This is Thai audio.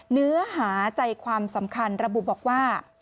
เนื้อหาใจความสำคัญระบุบอกว่า